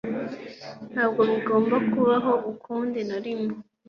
Ntabwo bigomba kubaho ukundi narimwe.